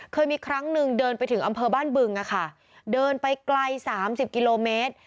เคยมีครั้งหนึ่งเดินไปถึงอำเภอบ้านบึงเดินไปไกล๓๐กิโลเมตร